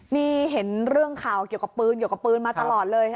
นี่เห็นเรื่องข่าวเกี่ยวกับปืนเกี่ยวกับปืนมาตลอดเลย